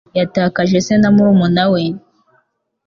Yatakaje se na murumuna we.